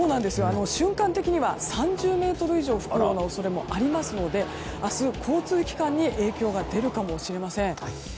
瞬間的には３０メートル以上吹く恐れもありますので明日、交通機関に影響が出るかもしれません。